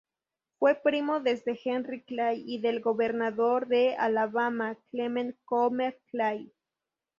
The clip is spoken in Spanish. Fue primo desde Henry Clay, y del gobernador de Alabama, Clement Comer Clay.